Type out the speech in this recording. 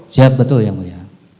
siap betul yang mulia